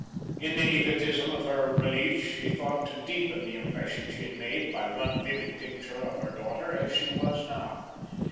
In the egotism of her relief, she thought to deepen the impression she had made by one vivid picture of her daughter as she was now.